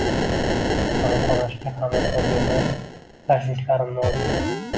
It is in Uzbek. Burun qonashiga ham eʼtibor bermay lash-lushlarimni oldim.